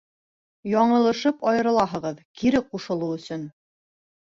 Яңылышып айырылһағыҙ, кире ҡушылыу өсөн!